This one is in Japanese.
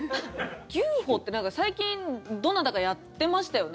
牛歩って最近どなたかやってましたよね？